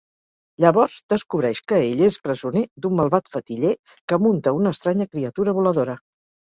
Llavors, descobreix que ell és presoner d'un malvat fetiller que munta una estranya criatura voladora.